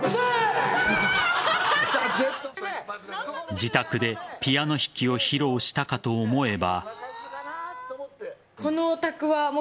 自宅でピアノ弾きを披露したかと思えば。